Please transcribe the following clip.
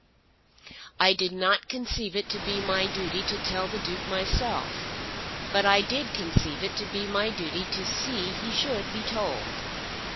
"I did not conceive it to be my duty to tell the Duke myself, but I did conceive it to be my duty to see he should be told.